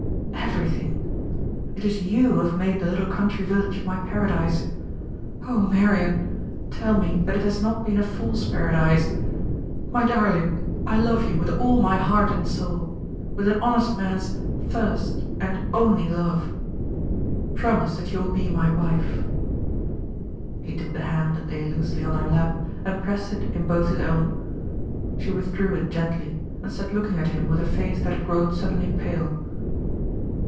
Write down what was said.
"Everything. It is you who have made the little country village my paradise. O Marian, tell me that it has not been a fool's paradise! My darling, I love you with all my heart and soul, with an honest man's first and only love. Promise that you will be my wife." He took the hand that lay loosely on her lap, and pressed it in both his own. She withdrew it gently, and sat looking at him with a face that had grown suddenly pale.